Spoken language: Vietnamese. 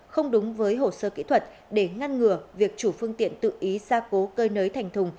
không đúng với hồ sơ kỹ thuật để ngăn ngừa việc chủ phương tiện tự ý ra cố cơi nới thành thùng